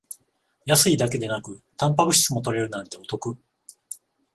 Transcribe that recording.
安いだけでなくタンパク質も取れるなんてお得